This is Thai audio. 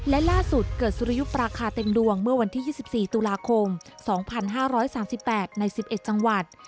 และล่าสุดเกิดสุริยุปราคาเต็มดวงเมื่อวันที่๒๔ตุลาคม๒๕๓๘ใน๑๑จังหวัด